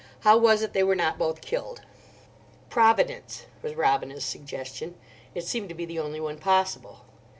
How was it they were not both killed?" "Providence," was Robina's suggestion: it seemed to be the only one possible.